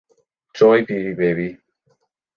Joy, beauty baby.